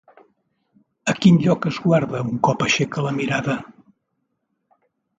A quin lloc esguarda un cop aixeca la mirada?